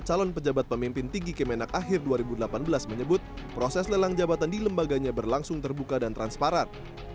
calon pejabat pemimpin tinggi kemenak akhir dua ribu delapan belas menyebut proses lelang jabatan di lembaganya berlangsung terbuka dan transparan